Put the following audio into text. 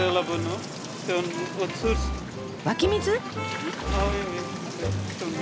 湧き水？